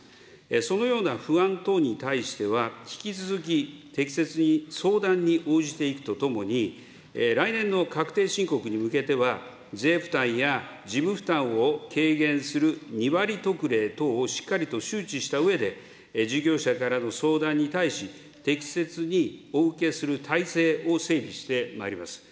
そのような不安等に対しては、引き続き適切に相談に応じていくとともに、来年の確定申告に向けては、税負担や事務負担を軽減する２割特例等をしっかりと周知したうえで、事業者からの相談に対し、適切にお受けする体制を整備してまいります。